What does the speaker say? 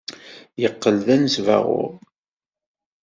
Yeqqel d anesbaɣur.